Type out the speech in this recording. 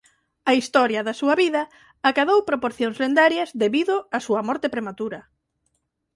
A historia da súa vida acadou proporcións lendarias debido á súa morte prematura.